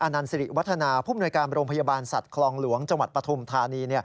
นันสิริวัฒนาผู้มนวยการโรงพยาบาลสัตว์คลองหลวงจังหวัดปฐุมธานี